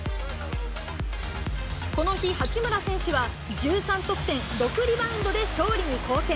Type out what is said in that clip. この日、八村選手は１３得点６リバウンドで勝利に貢献。